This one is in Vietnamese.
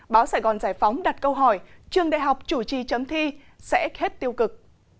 báo sài gòn giải phóng đặt câu hỏi trường đại học chủ trì chấm thi sẽ hết tiêu cực